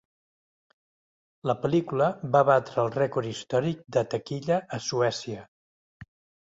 La pel·lícula va batre el rècord històric de taquilla a Suècia.